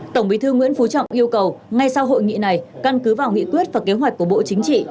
tổng bí thư nguyễn phú trọng yêu cầu ngay sau hội nghị này căn cứ vào nghị quyết và kế hoạch của bộ chính trị